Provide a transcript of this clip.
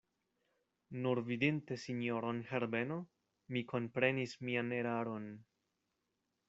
Nur vidinte sinjoron Herbeno, mi komprenis mian eraron.